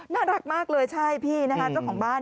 น่ารักมากเลยใช่พี่นะครับ